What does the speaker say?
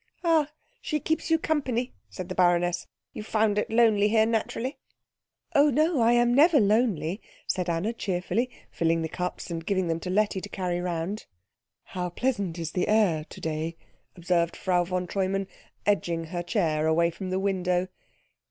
"Ah she keeps you company," said the baroness. "You found it lonely here, naturally." "Oh no, I am never lonely," said Anna cheerfully, filling the cups and giving them to Letty to carry round. "How pleasant the air is to day," observed Frau von Treumann, edging her chair away from the window.